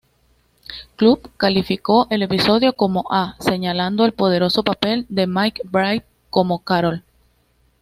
Club" calificó el episodio como A, señalando el poderoso papel de McBride como Carol.